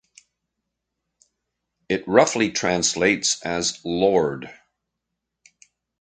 It roughly translates as "lord".